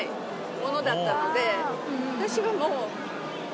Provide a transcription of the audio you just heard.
私はもう。